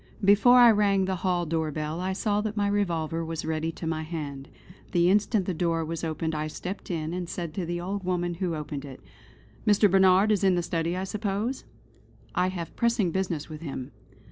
Before I rang the hall door bell I saw that my revolver was ready to my hand. The instant the door was opened I stepped in, and said to the old woman who opened it: "Mr. Barnard is in the study I suppose? I have pressing business with him!"